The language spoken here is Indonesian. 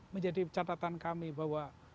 menjadi catatan kami bahwa